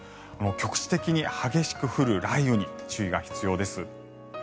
局地的に激しく降る雷雨に注意が必要です。